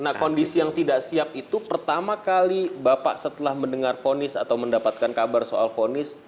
nah kondisi yang tidak siap itu pertama kali bapak setelah mendengar fonis atau mendapatkan kabar soal fonis